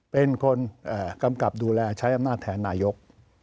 เป็นคนกำกับดูแลใช้อำนาจแทนนายก